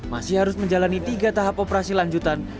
masih harus menjalani tiga tahap operasi lanjutan